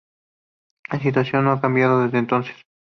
La situación no ha cambiado desde entonces.